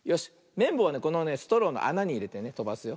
めんぼうはねこのねストローのあなにいれてねとばすよ。